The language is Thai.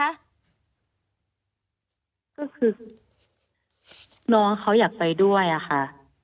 ก็คือน้องเขาอยากไปด้วยอะค่ะ